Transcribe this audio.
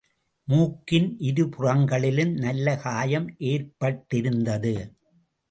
மூக்கின் இருபுறங்களிலும் நல்ல காயம் ஏற்பட்டிருந்தது.